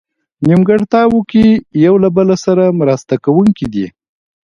نیمګړتیاوو کې یو له بله سره مرسته کوونکي دي.